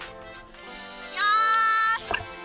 よし！